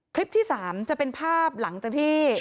คลิปที่๓จะเป็นภาพหลังจากที่